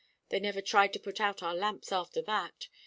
They never tried to put out our lamps after that.